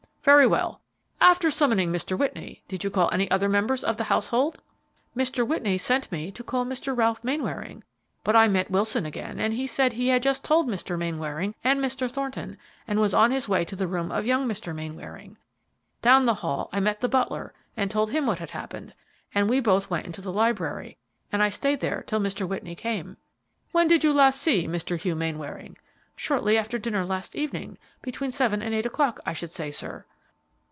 "Very well. After summoning Mr. Whitney, did you call any other members of the household?" "Mr. Whitney sent me to call Mr. Ralph Mainwaring; but I met Wilson again, and he said he had just told Mr. Mainwaring and Mr. Thornton, and was on his way to the room of young Mr. Mainwaring. Down the hall I met the butler and told him what had happened, and we both went into the library, and I stayed there till Mr. Whitney came." "When did you last see Mr. Hugh Mainwaring?" "Shortly after dinner last evening, between seven and eight o'clock, I should say, sir."